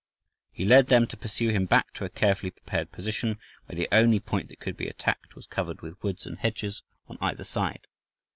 He led them to pursue him back to a carefully prepared position, where the only point that could be attacked was covered with woods and hedges on either side.